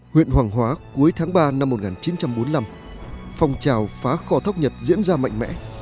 huyện hoàng hóa cuối tháng ba năm một nghìn chín trăm bốn mươi năm phong trào phá kho thóc nhật diễn ra mạnh mẽ